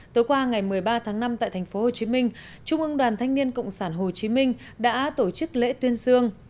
tối qua ngày một mươi ba tháng năm tại tp hcm trung ương đoàn thanh niên cộng sản hồ chí minh đã tổ chức lễ tuyên dương